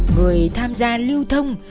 người tham gia lưu thông